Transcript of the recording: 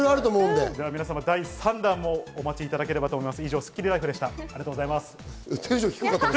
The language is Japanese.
皆様、第３弾もお待ちいただければと思います。